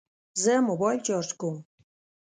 زه موبایل چارج کوم